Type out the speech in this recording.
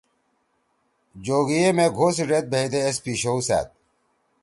جوگی یے مے گھو سی ڙید بھئیدے ایس پِیشؤ سأد۔